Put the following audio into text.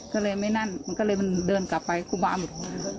ก็เลยไม่นั่นมันก็เลยมันเดินกลับไปครูบาหมด